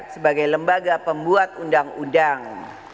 sebagai lembaga pembuat undang undang